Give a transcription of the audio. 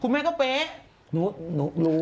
คุณแม่งก็เป๊ะ